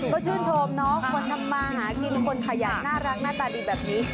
ก็ชื่นชมเนาะคนทำมาหากินคนขยันน่ารักหน้าตาดีแบบนี้